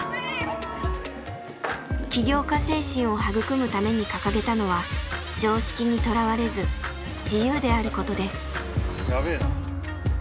起業家精神を育むために掲げたのは常識にとらわれず「自由」であることです。